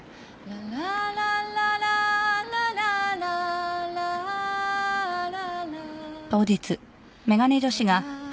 「ララランラランラララララ」